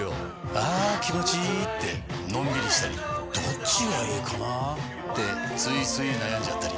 あ気持ちいいってのんびりしたりどっちがいいかなってついつい悩んじゃったり。